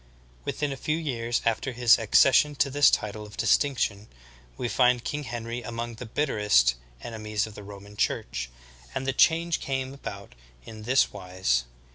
17. Within a few years after his accession to this title of distinction, we find King Henry among the bitlerest en emies of the Roman Church, and the change came about in this wise.